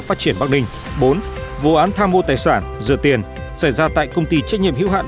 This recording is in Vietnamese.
phát triển bắc ninh bốn vụ án tham mô tài sản rửa tiền xảy ra tại công ty trách nhiệm hữu hạn